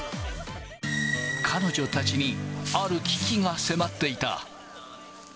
彼女たちにある危機が迫っていた。